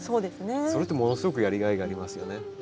それってものすごくやりがいがありますよね。